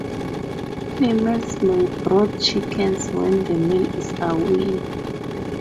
Females may brood chicks when the male is away.